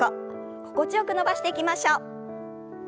心地よく伸ばしていきましょう。